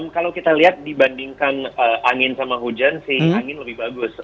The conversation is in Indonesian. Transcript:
kalau kita lihat dibandingkan angin sama hujan sih angin lebih bagus